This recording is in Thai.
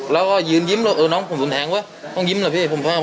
แล้วก็ยืนยิ้มเออน้องผมโดนแทงไว้ต้องยิ้มแหละพี่ผมทำแค่นั้นแหละ